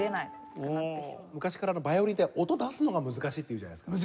昔からヴァイオリンって音出すのが難しいって言うじゃないですか。